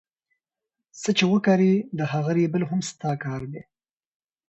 څه چي وکرې د هغه رېبل هم ستا کار دئ.